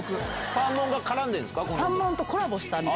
ファンモンが絡んでるんですか？